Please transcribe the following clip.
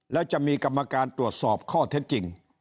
แล้วจะมีกรรมการตรวจสอบข้อเท็จจริง